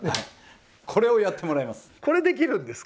これをやってもらいます。